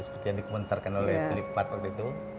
seperti yang dikomentarkan oleh filip pak waktu itu